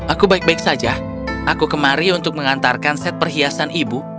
aku baik baik saja aku kemari untuk mengantarkan set perhiasan ibu